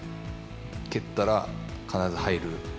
蹴ったら、必ず入る。